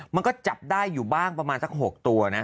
มันก็จับได้อยู่บ้างประมาณสัก๖ตัวนะ